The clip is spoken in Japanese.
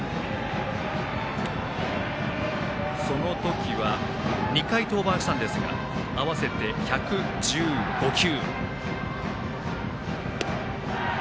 その時は２回登板したんですが合わせて１１５球。